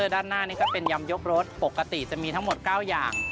ด้านหน้านี้ก็เป็นยำยกรถปกติจะมีทั้งหมด๙อย่าง